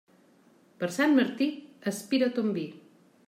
Per Sant Martí, aspira ton vi.